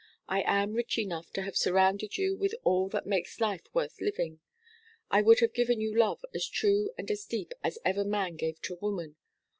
I am rich enough to have surrounded you with all that makes life worth living. I would have given you love as true and as deep as ever man gave to woman.